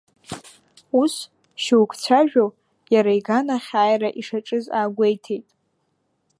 Ус, шьоукы цәажәо иара иган ахь ааира ишаҿыз аагәеиҭеит.